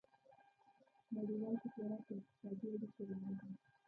نړيوال تجارت د اقتصادي اړیکو لاره ده.